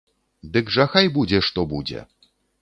Дык жа хай будзе што будзе!